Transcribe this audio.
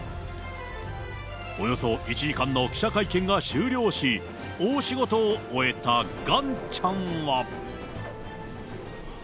およそ１時間の記者会見が終了し、大仕事を終えたガンちゃんは。